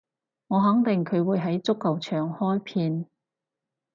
我肯定佢會喺足球場開片